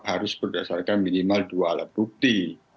harus berdasarkan minimal dua alat bukti